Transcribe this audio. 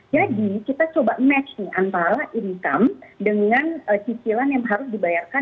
kita coba match nih antara income dengan cicilan yang harus dibayarkan